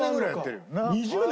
２０年！？